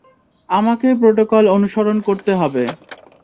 আমাকেই প্রোটোকল অনুসরণ করতে হবে।